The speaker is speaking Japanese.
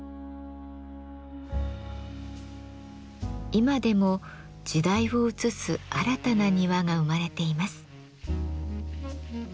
今でも時代を映す新たな庭が生まれています。